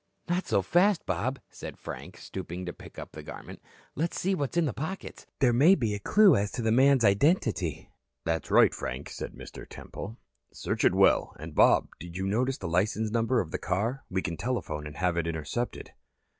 "Not so fast, Bob," said Frank, stooping to pick up the garment. "Let's see what's in the pockets. There may be a clue as to the man's identity." "That's right, Frank," said Mr. Temple. "Search it well. And, Bob, did you notice the license number of the car? We can telephone and have it intercepted."